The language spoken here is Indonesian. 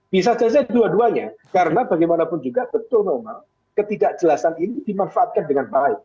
bisa saja dua duanya karena bagaimanapun juga betul memang ketidakjelasan ini dimanfaatkan dengan baik